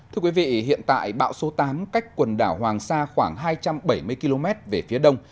thưa quý vị hiện tại bão số tám cách quần đảo hoàng sa khoảng hai trăm bảy mươi km về phía đông